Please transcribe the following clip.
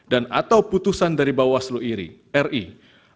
dan atau putusan dari bahwa pemohon yang ditetapkan adalah pembuktikan suara terkait